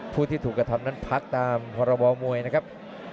ผู้ที่ถูกกระทำนั้นพักตามพรบมวยนะครับ